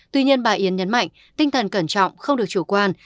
tuy nhiên bà yến nhấn mạnh tinh thần cẩn trọng không được chủ quan